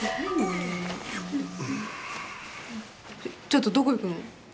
ちょっとどこ行くの？